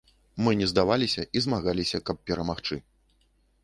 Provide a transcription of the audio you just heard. Мы не здаваліся і змагаліся, каб перамагчы.